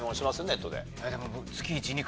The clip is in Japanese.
ネットで。